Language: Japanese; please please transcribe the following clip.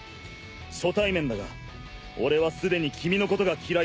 初対面だが俺はすでに君のことが嫌いだ。